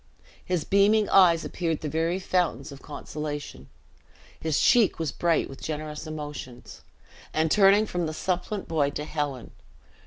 His beaming eyes appeared the very fountains of consolation; his cheek was bright with generous emotions; and turning from the supplant boy to Helen.